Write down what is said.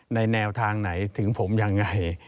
แนวทางไหนถึงผมยังไง